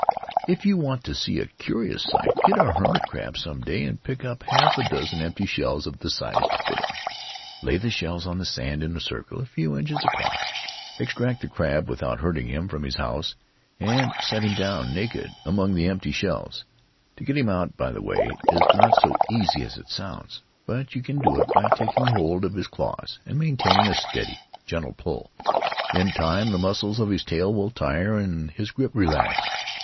If you want to see a curious sight get a hermit crab some day and pick up half a dozen empty shells of the size to fit him. Lay the shells on the sand in a circle a few inches across, extract the crab without hurting him from his house, and set him down naked among the empty shells. To get him out, by the way, is not so easy as it sounds, but you can do it by taking hold of his claws and maintaining a steady, gentle pull; in time the muscles of his tail will tire and his grip relax.